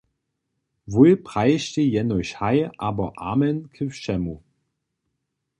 Wój prajištej jenož haj a amen ke wšemu.